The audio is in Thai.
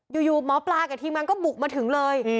อยู่หมอปลากับทีมงานก็บุกมาถึงเลย